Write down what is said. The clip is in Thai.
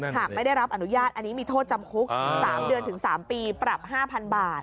หากไม่ได้รับอนุญาตอันนี้มีโทษจำคุก๓เดือนถึง๓ปีปรับ๕๐๐๐บาท